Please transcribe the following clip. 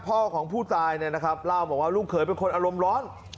พ่อของผู้ตายเนี่ยนะครับเล่าบอกว่าลูกเขยเป็นคนอารมณ์ร้อน